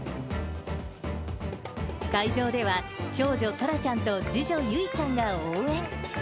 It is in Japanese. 会場では、長女、そらちゃんと次女、ゆいちゃんが応援。